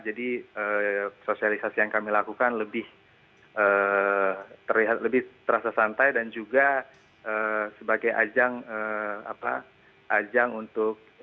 jadi sosialisasi yang kami lakukan lebih terasa santai dan juga sebagai ajang untuk